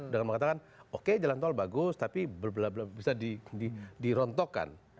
dengan mengatakan oke jalan tol bagus tapi bisa dirontokkan